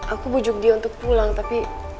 aku bujuk dia untuk pulang tapi